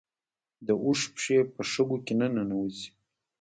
د اوښ پښې په شګو کې نه ننوځي